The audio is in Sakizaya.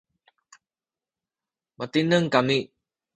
matineng kami